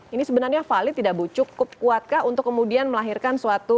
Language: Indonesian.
ini sebenarnya valid tidak bucuk cukup kuatkah untuk kemudian melahirkan suatu